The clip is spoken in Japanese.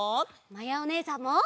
まやおねえさんも！